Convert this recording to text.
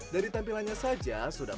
dari tampilannya saja sudah